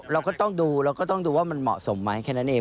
เราก็ต้องดูเราก็ต้องดูว่ามันเหมาะสมไหมแค่นั้นเอง